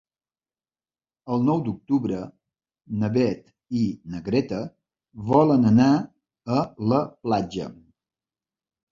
El nou d'octubre na Beth i na Greta volen anar a la platja.